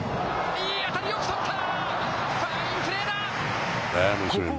いい当たり、よく捕った。